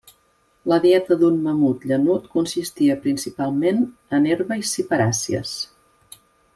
La dieta d'un mamut llanut consistia principalment en herba i ciperàcies.